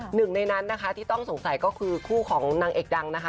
หนึ่งในนั้นนะคะที่ต้องสงสัยก็คือคู่ของนางเอกดังนะคะ